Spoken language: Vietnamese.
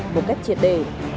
một cách triệt đề